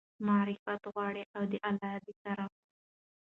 مغفرت غواړي، او د الله تعالی د طرفه